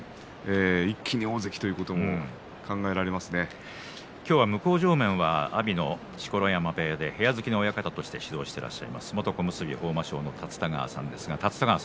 一気に大関ということも向正面は阿炎の錣山部屋で部屋付きの親方として指導していらっしゃいます元小結豊真将の立田川さんです。